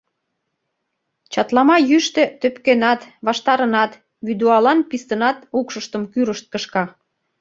Чатлама йӱштӧ тӧпкенат, ваштарынат, вӱдуалан пистынат укшыштым кӱрышт кышка.